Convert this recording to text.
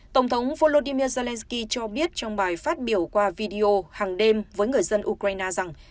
tổng thống volodymyr zelensky cho biết trong bài phát biểu qua video hàng đêm với người dân ukraine rằng